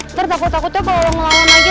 ntar takut takutnya kalau lo ngelawan lagi